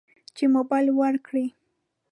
چې موبایل ورکړي.